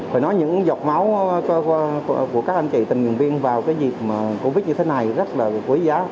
phải nói những giọt máu của các anh chị tình nguyện viên vào cái dịp covid như thế này rất là quý giá